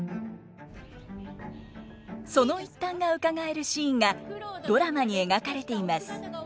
その一端がうかがえるシーンがドラマに描かれています。